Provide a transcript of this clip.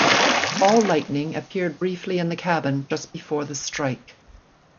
Ball lightning appeared briefly in the cabin just before the strike.